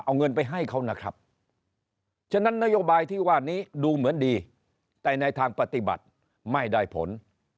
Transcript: เอาเงินไปให้เขานะครับฉะนั้นนโยบายที่ว่านี้ดูเหมือนดีแต่ในทางปฏิบัติไม่ได้ผล